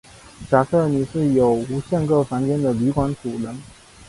假设你是有无限个房间的旅馆主人。